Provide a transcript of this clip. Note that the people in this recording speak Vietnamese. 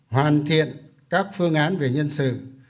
hoàn thiện các phương án về nhân sự